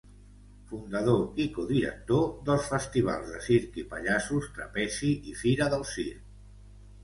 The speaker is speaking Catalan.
Fundador i codirector dels festivals de circ i pallassos Trapezi i Fira del Circ.